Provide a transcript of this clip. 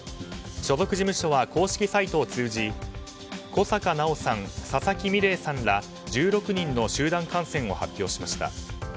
所属事務所は、公式サイトを通じ小坂菜緒さん佐々木美玲さんら１６人の集団感染を発表しました。